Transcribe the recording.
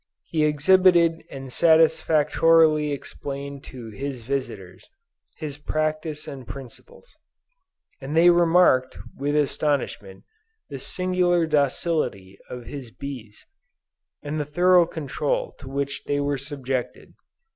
He exhibited and satisfactorily explained to his visitors his practice and principles; and they remarked, with astonishment, the singular docility of his bees, and the thorough control to which they were subjected.